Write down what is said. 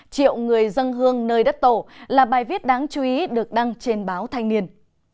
triệu người dân hương nơi đất tổ là bài viết đáng chú ý được đăng trên báo thanh niên